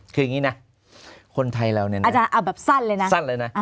คืออย่างนี้นะคนไทยเราเนี่ยนะอาจารย์แบบสั้นเลยนะ